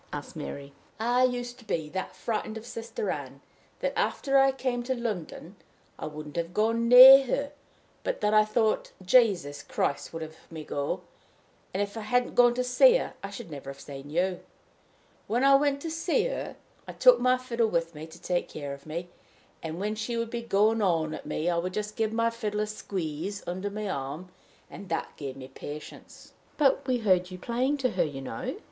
asked Mary. "I used to be that frightened of Sister Ann that, after I came to London, I wouldn't have gone near her, but that I thought Jesus Christ would have me go; and, if I hadn't gone to see her, I should never have seen you. When I went to see her, I took my fiddle with me to take care of me; and, when she would be going on at me, I would just give my fiddle a squeeze under my arm, and that gave me patience." "But we heard you playing to her, you know."